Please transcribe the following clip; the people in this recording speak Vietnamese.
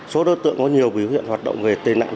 số đối tượng có nhiều biểu hiện hoạt động về tệ nạn